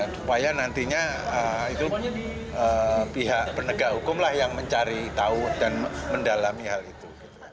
supaya nantinya itu pihak penegak hukum lah yang mencari tahu dan mendalami hal itu